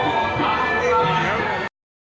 ขอบริการณ์หน้าเห็นเป็นเก่า